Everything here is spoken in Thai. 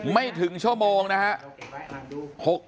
ไม่ถึงชั่วโมงนะครับ